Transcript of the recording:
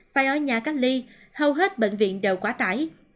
phải ở nhà cách ly hầu hết bệnh viện đều quá tải